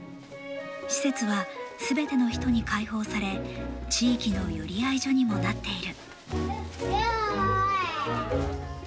施設は、すべての人に開放され地域の寄り合い所にもなっている。